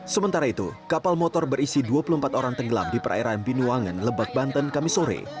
sementara itu kapal motor berisi dua puluh empat orang tenggelam di perairan binuangan lebak banten kami sore